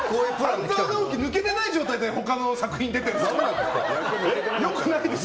「半沢直樹」が抜けてないプランで他の作品出てないですか？